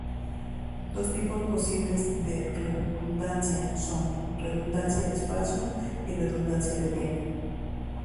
Dos tipos posibles de redundancia son: redundancia de espacio y redundancia de tiempo.